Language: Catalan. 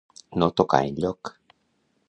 No tocar enlloc.